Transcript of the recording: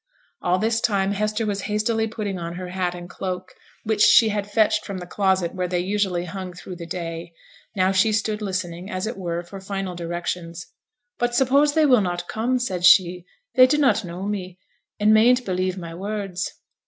All this time Hester was hastily putting on her hat and cloak, which she had fetched from the closet where they usually hung through the day; now she stood listening, as it were, for final directions. 'But suppose they will not come,' said she; 'they dunnot know me, and mayn't believe my words.'